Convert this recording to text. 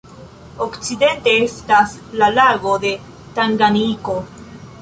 Okcidente estas la lago de Tanganjiko.